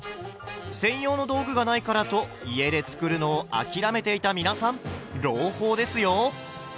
専用の道具がないからと家で作るのを諦めていた皆さん朗報ですよ！